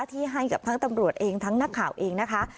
ที่ให้กับทั้งตำรวจเองทั้งนักข่าวเองนะคะ